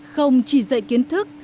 không chỉ dạy kiến thức